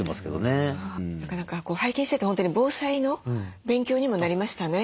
なかなか拝見してて本当に防災の勉強にもなりましたね。